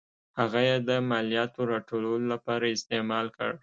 هغه یې د مالیاتو راټولولو لپاره استعمال کړ.